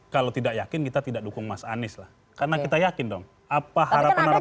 kalau tidak yakin kita tidak dukung mas anies lah karena kita yakin dong apa harapan harapan